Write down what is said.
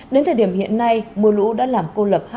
đến thời điểm hiện nay mưa lũ đã làm cô lập